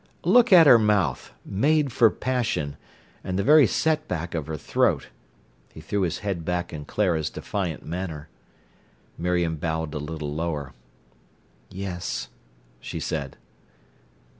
"Look at her mouth—made for passion—and the very setback of her throat—" He threw his head back in Clara's defiant manner. Miriam bowed a little lower. "Yes," she said.